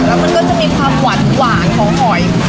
แล้วมันก็จะมีความหวานของหอย